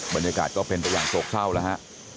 บรรยากาศก็เป็นแต่อย่างโศกเศร้านะฮะ